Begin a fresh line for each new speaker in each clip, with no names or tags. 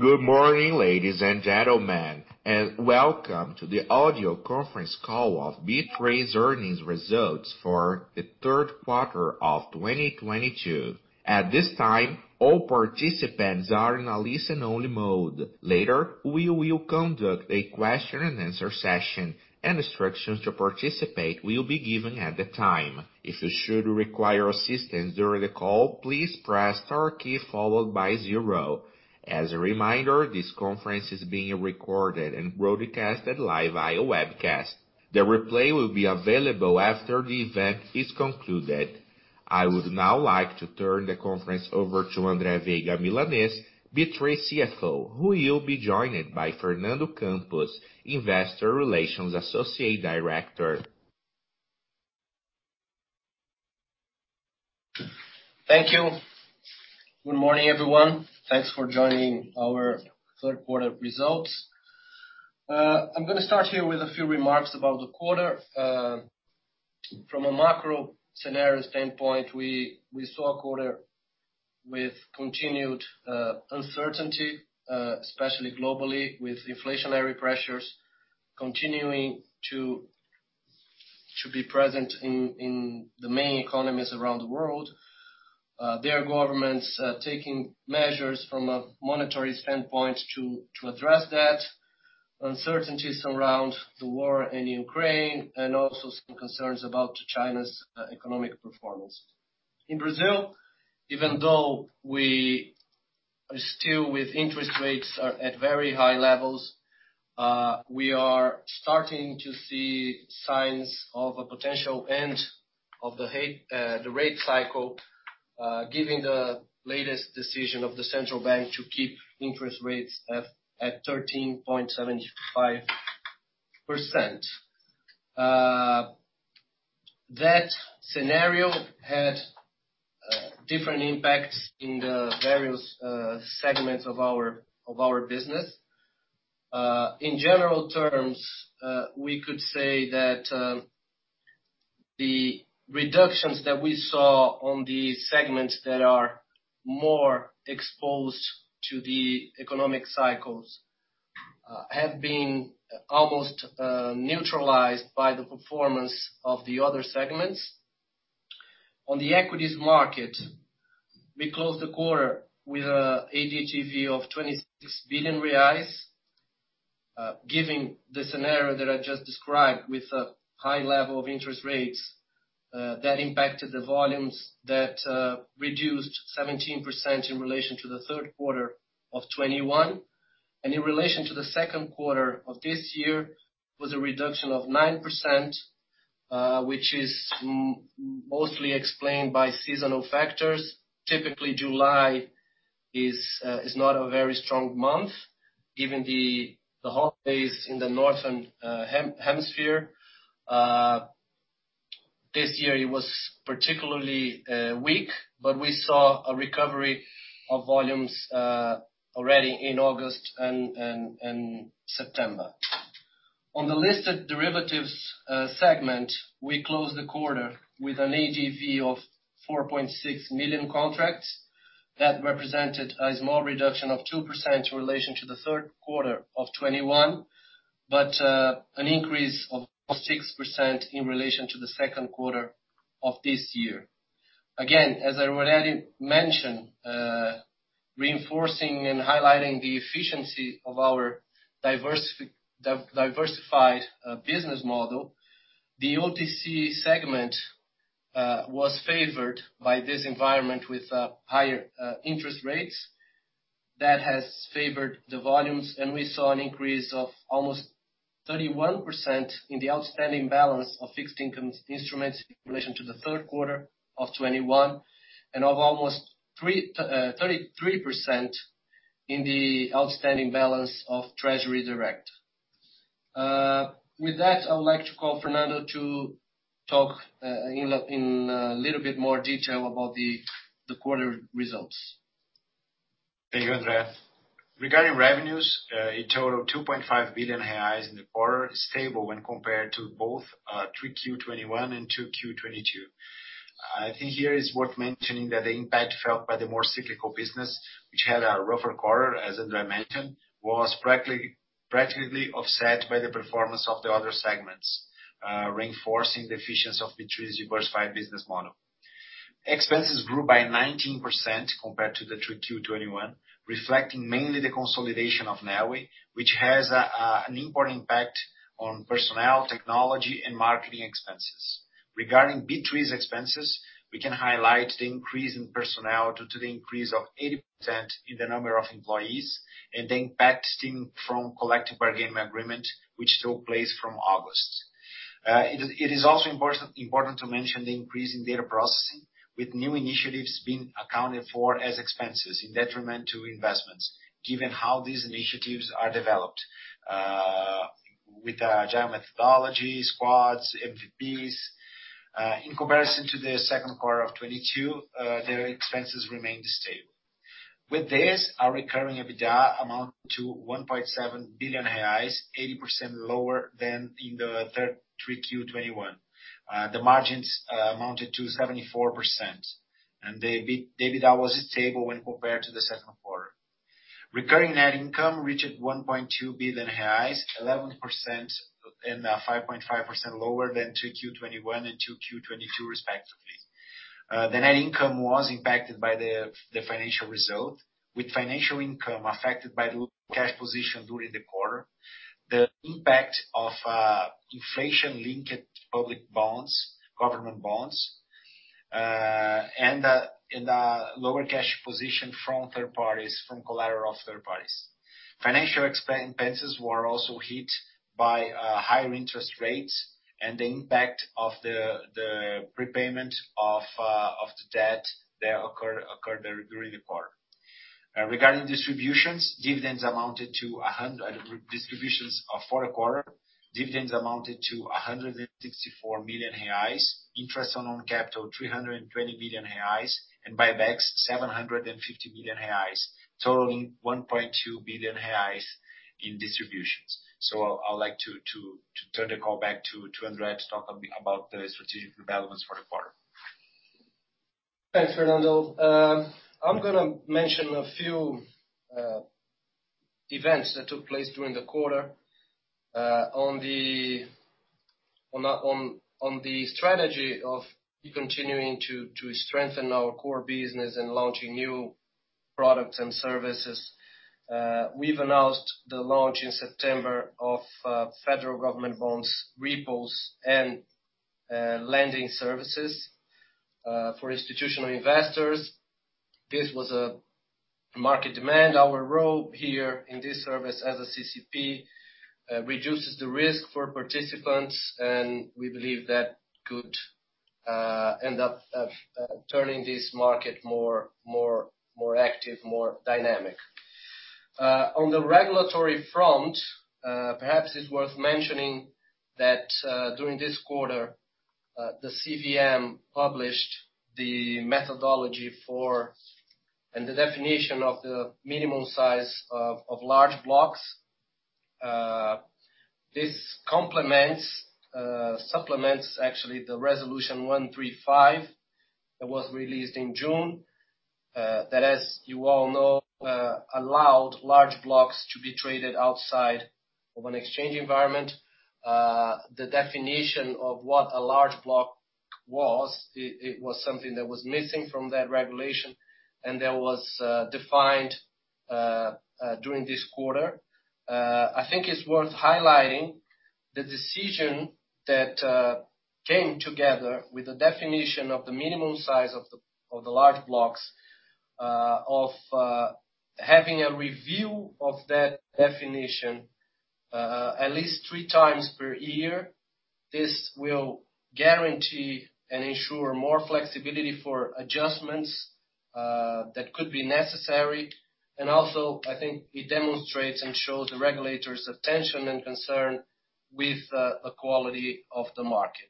Good morning, ladies and gentlemen, and welcome to the audio conference call of B3's earnings results for the third quarter of 2022. At this time, all participants are in a listen-only mode. Later, we will conduct a question and answer session, and instructions to participate will be given at the time. If you should require assistance during the call, please press star key followed by zero. As a reminder, this conference is being recorded and broadcasted live via webcast. The replay will be available after the event is concluded. I would now like to turn the conference over to Andre Veiga Milanez, B3 CFO, who will be joined by Fernando Campos, Investor Relations Associate Director.
Thank you. Good morning, everyone. Thanks for joining our third quarter results. I'm gonna start here with a few remarks about the quarter. From a macro scenario standpoint, we saw a quarter with continued uncertainty, especially globally, with inflationary pressures continuing to be present in the main economies around the world. Their governments taking measures from a monetary standpoint to address that. Uncertainties around the war in Ukraine and also some concerns about China's economic performance. In Brazil, even though we are still with interest rates are at very high levels, we are starting to see signs of a potential end of the rate cycle, giving the latest decision of the Central Bank to keep interest rates at 13.75%. That scenario had different impacts in the various segments of our business. In general terms, we could say that the reductions that we saw on the segments that are more exposed to the economic cycles have been almost neutralized by the performance of the other segments. On the equities market, we closed the quarter with an ADTV of 26 billion reais. Given the scenario that I just described with a high level of interest rates, that impacted the volumes that reduced 17% in relation to the third quarter of 2021. In relation to the second quarter of this year, was a reduction of 9%, which is mostly explained by seasonal factors. Typically, July is not a very strong month. Given the holidays in the northern hemisphere, this year it was particularly weak, but we saw a recovery of volumes already in August and September. On the listed derivatives segment, we closed the quarter with an ADV of 4.6 million contracts. That represented a small reduction of 2% in relation to the third quarter of 2021, but an increase of 6% in relation to the second quarter of this year. Again, as I already mentioned, reinforcing and highlighting the efficiency of our diversified business model, the OTC segment was favored by this environment with higher interest rates. That has favored the volumes, and we saw an increase of almost 31% in the outstanding balance of fixed income instruments in relation to the third quarter of 2021, and of almost 33% in the outstanding balance of Treasury Direct. With that, I would like to call Fernando to talk in a little bit more detail about the quarter results.
Thank you, Andre. Regarding revenues, it totaled 2.5 billion reais in the quarter, stable when compared to both 3Q 2021 and 2Q 2022. I think here it's worth mentioning that the impact felt by the more cyclical business, which had a rougher quarter, as Andre mentioned, was practically offset by the performance of the other segments, reinforcing the efficiency of B3's diversified business model. Expenses grew by 19% compared to 3Q 2021, reflecting mainly the consolidation of Neoway, which has an important impact on personnel, technology, and marketing expenses. Regarding B3's expenses, we can highlight the increase in personnel due to the increase of 80% in the number of employees and the impact stemming from collective bargaining agreement which took place from August. It is also important to mention the increase in data processing, with new initiatives being accounted for as expenses in detriment to investments, given how these initiatives are developed, with our agile methodology, squads, MVPs. In comparison to the second quarter of 2022, data expenses remained stable. With this, our recurring EBITDA amounted to 1.7 billion reais, 80% lower than in 3Q 2021. The margins amounted to 74%, and the EBITDA was stable when compared to the second quarter. Recurring net income reached 1.2 billion reais, 11% and 5.5% lower than 2Q 2021 and 2Q 2022 respectively. The net income was impacted by the financial result, with financial income affected by the cash position during the quarter. The impact of inflation-linked public bonds, government bonds, and lower cash position from third parties, from collateral of third parties. Financial expenses were also hit by higher interest rates and the impact of the prepayment of the debt that occurred during the quarter. Regarding distributions for a quarter, dividends amounted to 164 million reais, interest on own capital, 320 million reais, and buybacks, 750 million reais, totaling 1.2 billion reais in distributions. I'll like to turn the call back to André to talk a bit about the strategic developments for the quarter.
Thanks, Fernando. I'm gonna mention a few events that took place during the quarter. On the strategy of continuing to strengthen our core business and launching new products and services, we've announced the launch in September of federal government bonds, repos and lending services for institutional investors. This was a market demand. Our role here in this service as a CCP reduces the risk for participants, and we believe that could end up turning this market more active, more dynamic. On the regulatory front, perhaps it's worth mentioning that during this quarter, the CVM published the methodology for, and the definition of the minimum size of large blocks. This complements, supplements actually the Resolution 135 that was released in June, that, as you all know, allowed large blocks to be traded outside of an exchange environment. The definition of what a large block was, it was something that was missing from that regulation, and that was defined during this quarter. I think it's worth highlighting the decision that came together with the definition of the minimum size of the large blocks, of having a review of that definition, at least three times per year. This will guarantee and ensure more flexibility for adjustments that could be necessary. Also, I think it demonstrates and shows the regulator's attention and concern with the quality of the market.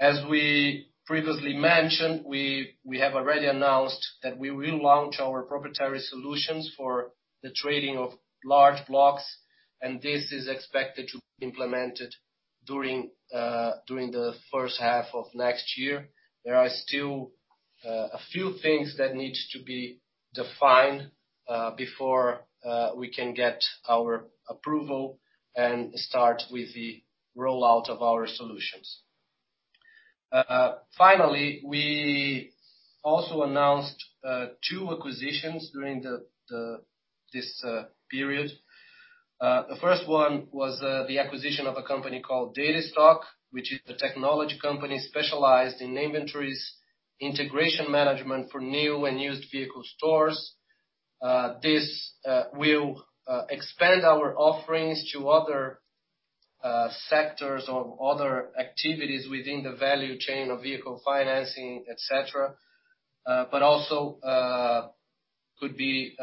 As we previously mentioned, we have already announced that we will launch our proprietary solutions for the trading of large blocks, and this is expected to be implemented during the first half of next year. There are still a few things that need to be defined before we can get our approval and start with the rollout of our solutions. Finally, we also announced two acquisitions during this period. The first one was the acquisition of a company called Datastock, which is a technology company specialized in inventories, integration management for new and used vehicle stores. This will expand our offerings to other sectors or other activities within the value chain of vehicle financing, et cetera. could be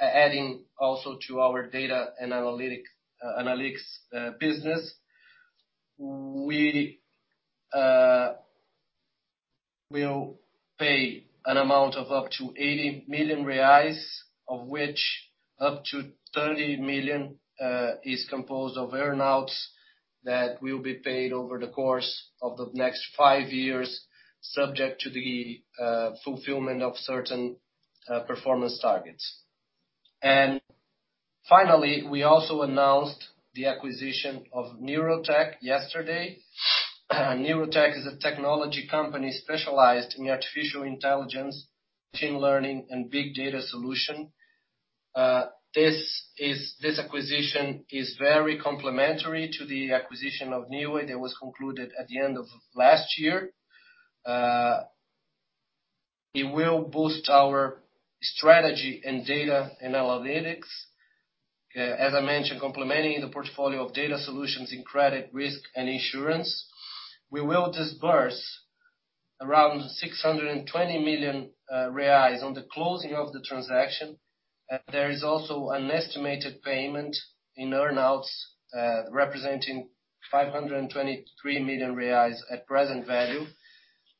adding also to our data and analytics business. We will pay an amount of up to 80 million reais, of which up to 30 million is composed of earn-outs that will be paid over the course of the next five years, subject to the fulfillment of certain performance targets. Finally, we also announced the acquisition of Neurotech yesterday. Neurotech is a technology company specialized in artificial intelligence, machine learning, and big data solution. This acquisition is very complementary to the acquisition of Neoway that was concluded at the end of last year. It will boost our strategy in data analytics, as I mentioned, complementing the portfolio of data solutions in credit risk and insurance. We will disburse around 620 million reais on the closing of the transaction. There is also an estimated payment in earn-outs representing 523 million reais at present value.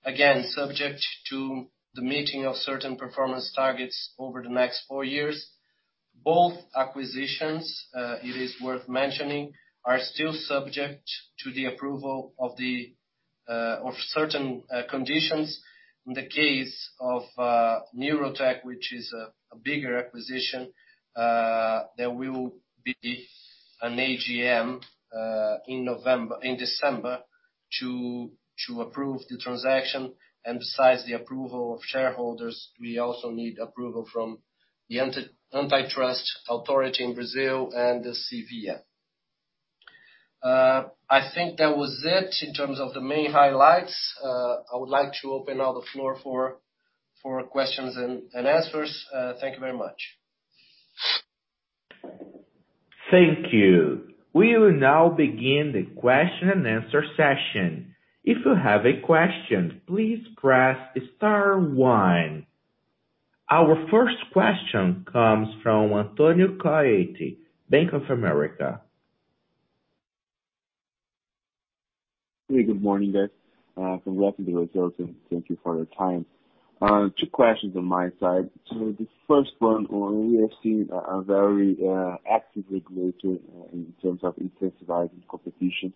Again, subject to the meeting of certain performance targets over the next four years. Both acquisitions, it is worth mentioning, are still subject to the approval of certain conditions. In the case of Neurotech, which is a bigger acquisition, there will be an AGM in December to approve the transaction. Besides the approval of shareholders, we also need approval from the antitrust authority in Brazil and the CVM. I think that was it in terms of the main highlights. I would like to open now the floor for questions and answers. Thank you very much.
Thank you. We will now begin the question and answer session. If you have a question, please press star one. Our first question comes from Antonio Coletti, Bank of America.
Hey, good morning, guys. Congrats on the results and thank you for your time. Two questions on my side. The first one, we have seen a very active regulator in terms of incentivizing competition.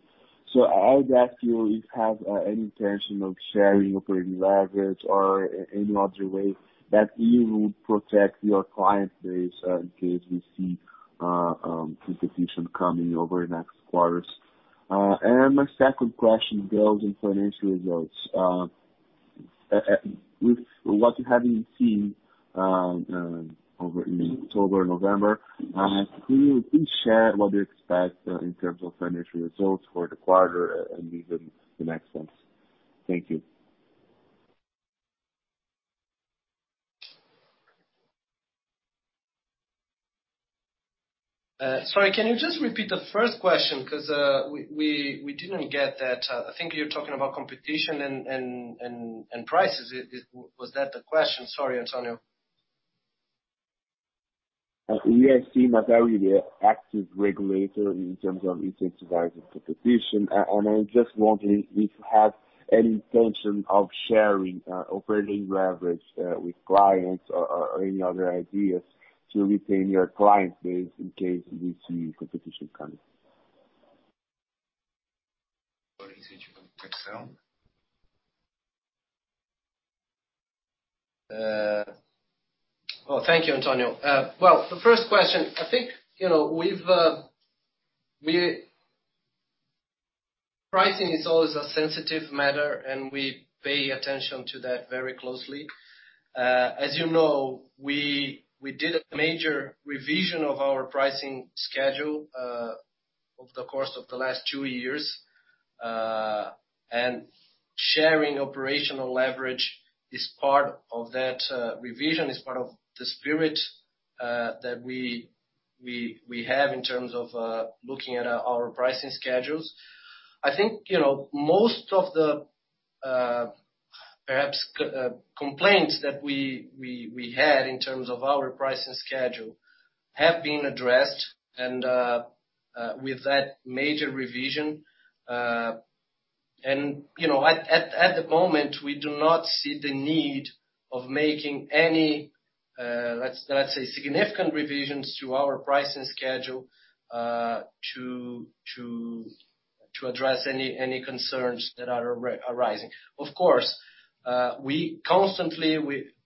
I would ask you if you have any intention of sharing operating leverage or any other way that you would protect your client base in case we see competition coming over the next quarters. My second question is on financial results. With what you have been seeing in October and November, can you please share what you expect in terms of financial results for the quarter and even the next months? Thank you.
Sorry, can you just repeat the first question? 'Cause we didn't get that. I think you're talking about competition and prices. Is it? Was that the question? Sorry, Antonio.
We have seen a very active regulator in terms of incentivizing competition, and I was just wondering if you have any intention of sharing operating leverage with clients or any other ideas to retain your client base in case we see competition coming?
Thank you, Antonio. Well, the first question, I think, you know, Pricing is always a sensitive matter, and we pay attention to that very closely. As you know, we did a major revision of our pricing schedule over the course of the last two years. Sharing operational leverage is part of that revision, is part of the spirit that we have in terms of looking at our pricing schedules. I think, you know, most of the, perhaps, complaints that we had in terms of our pricing schedule have been addressed with that major revision. You know, at the moment, we do not see the need of making any, let's say, significant revisions to our pricing schedule to address any concerns that are arising. Of course, we constantly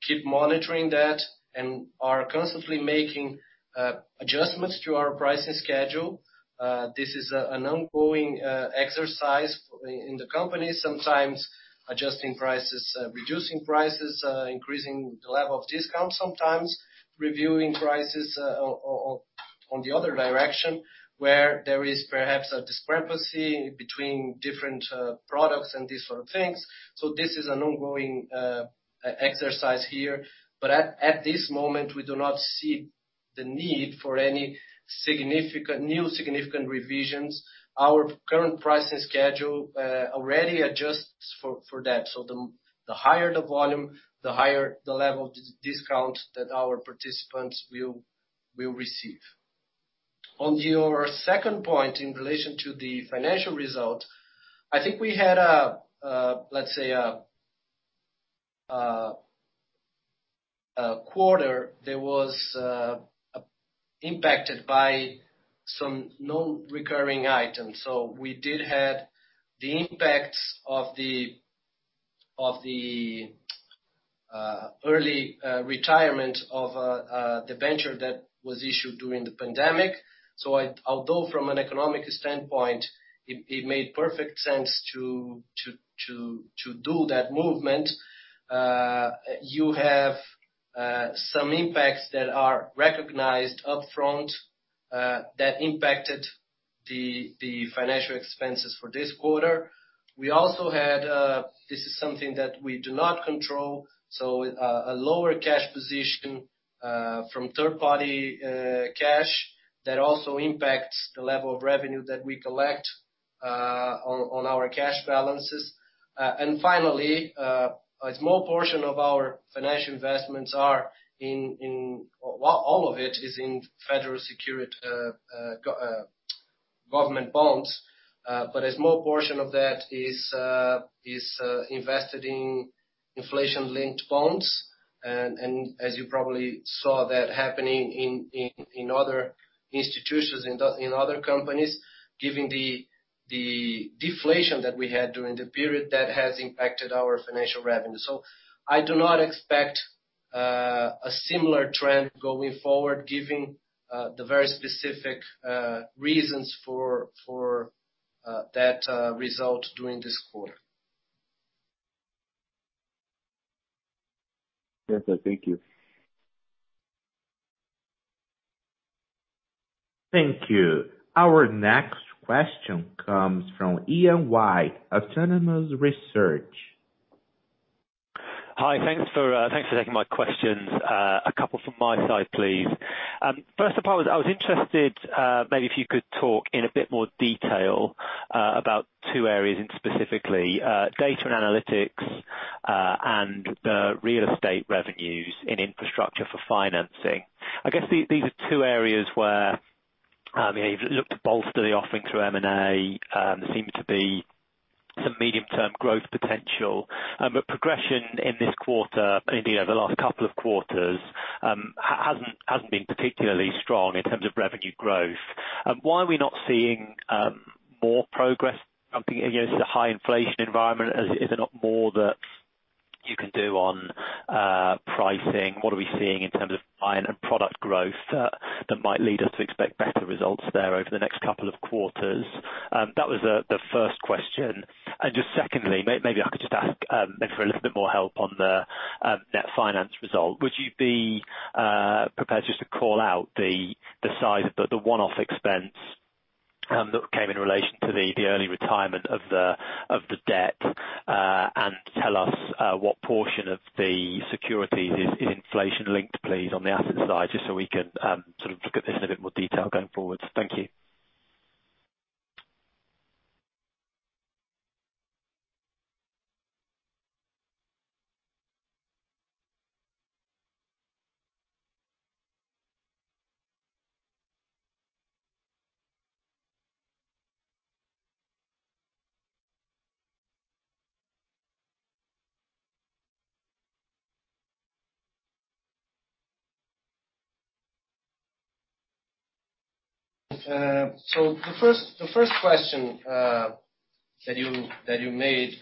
keep monitoring that and are constantly making adjustments to our pricing schedule. This is an ongoing exercise in the company, sometimes adjusting prices, reducing prices, increasing the level of discount, sometimes reviewing prices on the other direction, where there is perhaps a discrepancy between different products and these sort of things. This is an ongoing exercise here. At this moment, we do not see the need for any significant revisions. Our current pricing schedule already adjusts for that. The higher the volume, the higher the level discount that our participants will receive. On your second point, in relation to the financial result, I think we had, let's say, a quarter that was impacted by some non-recurring items. We did have the impacts of the early retirement of the debenture that was issued during the pandemic. Although from an economic standpoint, it made perfect sense to do that movement, you have some impacts that are recognized upfront that impacted the financial expenses for this quarter. We also had, this is something that we do not control, so a lower cash position from third-party cash that also impacts the level of revenue that we collect on our cash balances. Finally, a small portion of our financial investments are in. Well, all of it is in federal securities, government bonds, but a small portion of that is invested in inflation-linked bonds, and as you probably saw that happening in other institutions, in other companies, given the deflation that we had during the period, that has impacted our financial revenue. I do not expect a similar trend going forward, given the very specific reasons for that result during this quarter.
Okay, thank you.
Thank you. Our next question comes from Ian White, Autonomous Research.
Hi, thanks for taking my questions. A couple from my side, please. First up, I was interested, maybe if you could talk in a bit more detail about two areas, and specifically, data and analytics, and the real estate revenues in infrastructure for financing. I guess these are two areas where, you know, you've looked to bolster the offering through M&A, there seems to be some medium-term growth potential. Progression in this quarter, you know, the last couple of quarters, hasn't been particularly strong in terms of revenue growth. Why are we not seeing more progress coming, you know, it's a high inflation environment. Is there not more that you can do on pricing? What are we seeing in terms of buy and product growth, that might lead us to expect better results there over the next couple of quarters? That was the first question. Just secondly, maybe I could just ask, maybe for a little bit more help on the net finance result. Would you be prepared just to call out the size of the one-off expense that came in relation to the early retirement of the debt? Tell us what portion of the securities is inflation-linked, please, on the asset side, just so we can sort of look at this in a bit more detail going forward. Thank you.
The first question that you made,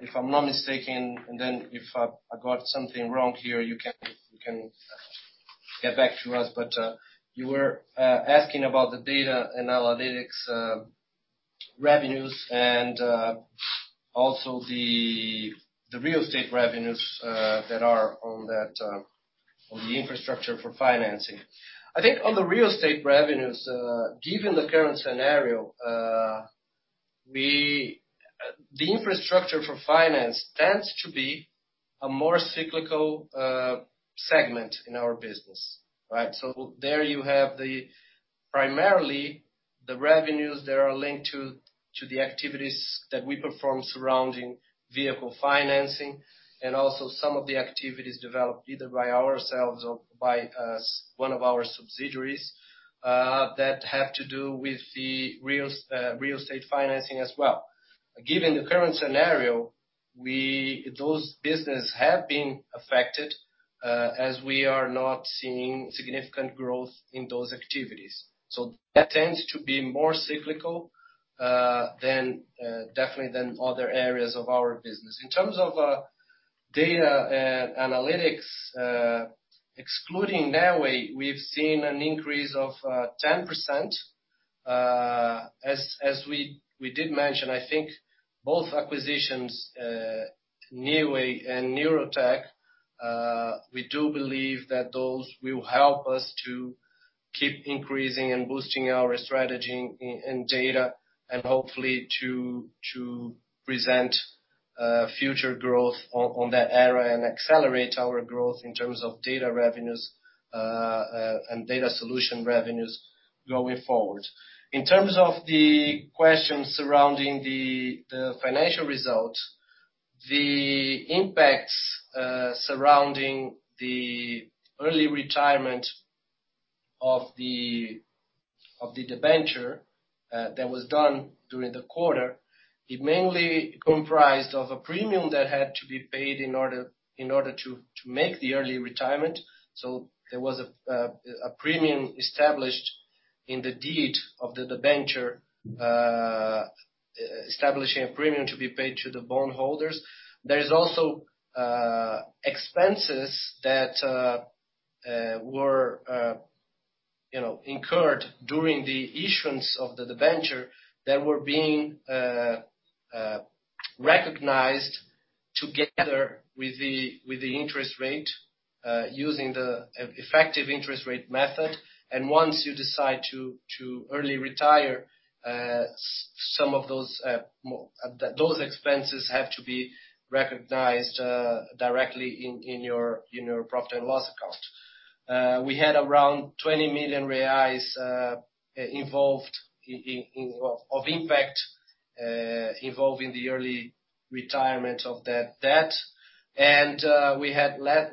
if I'm not mistaken, and if I got something wrong here, you can get back to us, but you were asking about the data and analytics revenues and also the real estate revenues that are on the infrastructure for financing. I think on the real estate revenues, given the current scenario, the infrastructure for finance tends to be a more cyclical segment in our business, right? There you have primarily the revenues that are linked to the activities that we perform surrounding vehicle financing and also some of the activities developed either by ourselves or by one of our subsidiaries that have to do with the real estate financing as well. Given the current scenario, those business have been affected, as we are not seeing significant growth in those activities. That tends to be more cyclical than definitely than other areas of our business. In terms of data and analytics, excluding Neoway, we've seen an increase of 10%. As we did mention, I think both acquisitions, Neoway and Neurotech, we do believe that those will help us to keep increasing and boosting our strategy in data and hopefully to present future growth on that area and accelerate our growth in terms of data revenues and data solution revenues going forward. In terms of the questions surrounding the financial result, the impacts surrounding the early retirement of the debenture that was done during the quarter, it mainly comprised of a premium that had to be paid in order to make the early retirement. There was a premium established in the deed of the debenture establishing a premium to be paid to the bondholders. There is also expenses that were you know incurred during the issuance of the debenture that were being recognized together with the interest rate using the effective interest rate method. Once you decide to early retire some of those expenses have to be recognized directly in your profit and loss account. We had around 20 million reais involved in the early retirement of that debt. We have less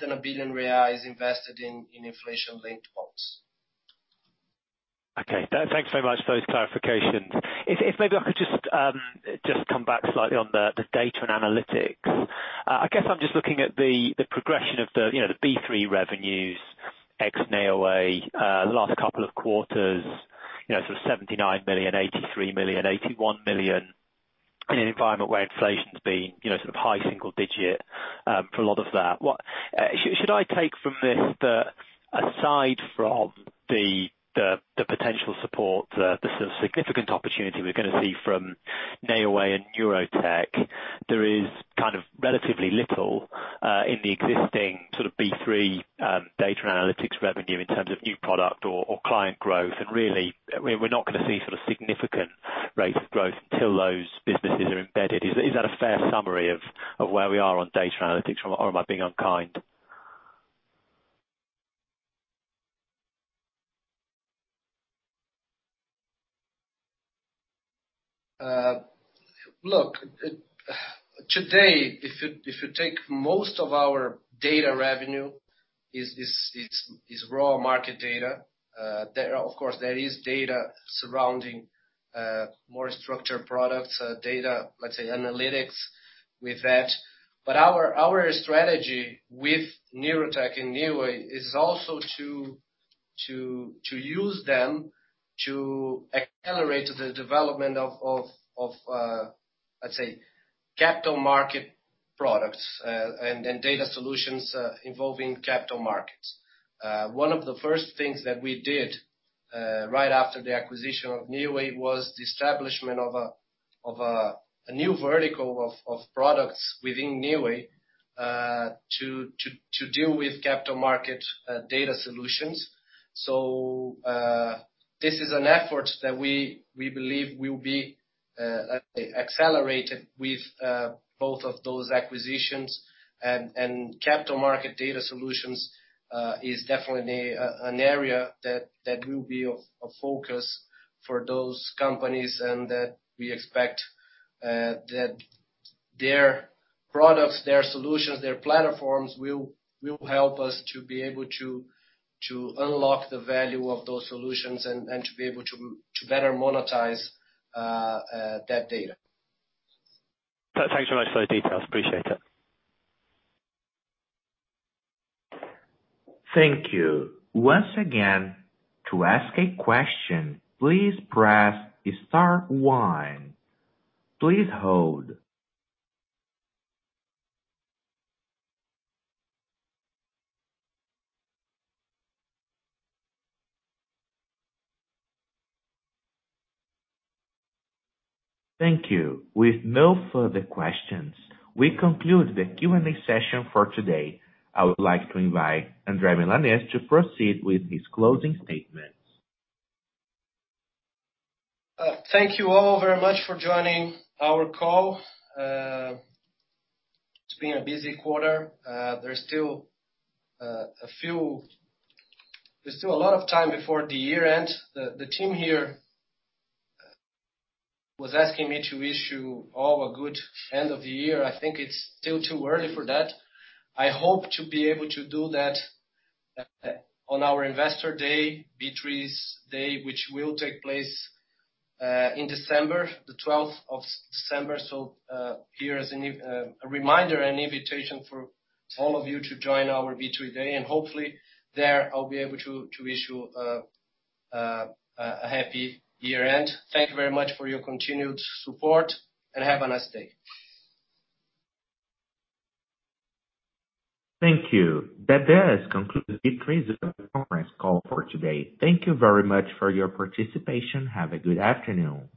than 1 billion reais invested in inflation-linked bonds.
Okay. Thanks so much for those clarifications. If maybe I could just come back slightly on the data and analytics. I guess I'm just looking at the progression of, you know, the B3 revenues ex Neoway, the last couple of quarters, you know, sort of 79 million, 83 million, 81 million, in an environment where inflation's been, you know, sort of high single digit for a lot of that. What Should I take from this that aside from the potential support, the sort of significant opportunity we're gonna see from Neoway and Neurotech, there is kind of relatively little in the existing sort of B3 data and analytics revenue in terms of new product or client growth, and really we're not gonna see sort of significant rates of growth until those businesses are embedded? Is that a fair summary of where we are on data analytics? Or am I being unkind?
Look, today, if you take most of our data revenue is raw market data. There are. Of course there is data surrounding more structured products, data, let's say analytics with that. Our strategy with Neurotech and Neoway is also to use them to accelerate the development of, let's say, capital market products, and data solutions involving capital markets. One of the first things that we did right after the acquisition of Neoway was the establishment of a new vertical of products within Neoway to deal with capital market data solutions. This is an effort that we believe will be accelerated with both of those acquisitions. Capital market data solutions is definitely an area that will be of focus for those companies and that we expect that their products, their solutions, their platforms will help us to be able to unlock the value of those solutions and to be able to better monetize that data.
Thanks very much for the details. Appreciate it.
Thank you. Once again, to ask a question, please press star one. Please hold. Thank you. With no further questions, we conclude the Q&A session for today. I would like to invite Andre Veiga Milanez to proceed with his closing statements.
Thank you all very much for joining our call. It's been a busy quarter. There's still a few. There's still a lot of time before the year ends. The team here was asking me to wish you all a good end of the year. I think it's still too early for that. I hope to be able to do that on our investor day, B3 Day, which will take place in December, the December 12th. Here is a reminder and invitation for all of you to join our B3 Day, and hopefully there I'll be able to wish you a happy year-end. Thank you very much for your continued support and have a nice day.
Thank you. That does conclude B3's conference call for today. Thank you very much for your participation. Have a good afternoon.